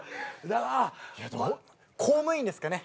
公務員ですかね